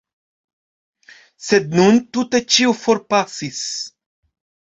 Sed nun tute ĉio forpasis.